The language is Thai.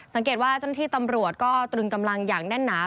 สังเกตว่าเจ้าหน้าที่ตำรวจก็ตรึงกำลังอย่างแน่นหนา